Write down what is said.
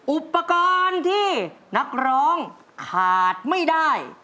อุปกรณ์ที่นักร้องขาดไม่ได้